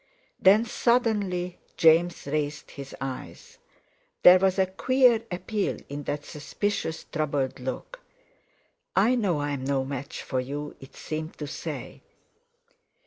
Then suddenly James raised his eyes. There was a queer appeal in that suspicious troubled look: "I know I'm no match for you," it seemed to say.